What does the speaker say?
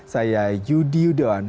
saya yudi yudon